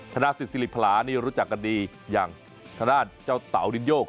ธนาศิษย์ศิริพลานี่รู้จักกันดีอย่างธนาศิเจ้าเต่าดินโยก